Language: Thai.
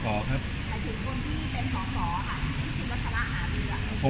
กำรวณนับไม่ท่วนครับ